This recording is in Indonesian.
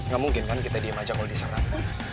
gak mungkin kan kita diem aja kalo diserang